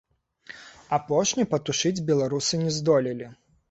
Апошні патушыць беларусы не здолелі.